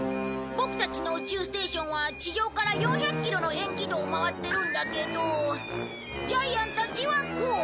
ボクたちの宇宙ステーションは地上から４００キロの円軌道を回ってるんだけどジャイアンたちはこう。